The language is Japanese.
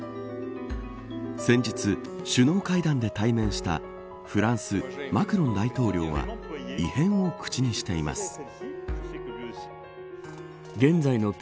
先日、首脳会談で対面したフランス、マクロン大統領は異変を口にしています。